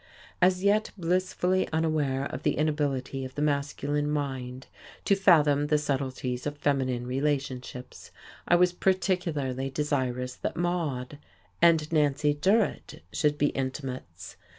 As yet blissfully unaware of the inability of the masculine mind to fathom the subtleties of feminine relationships, I was particularly desirous that Maude and Nancy Durrett should be intimates.